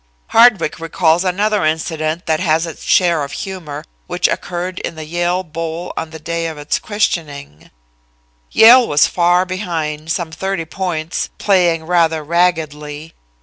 '" Hardwick recalls another incident that has its share of humor, which occurred in the Yale bowl on the day of its christening. "Yale was far behind some thirty points playing rather raggedly.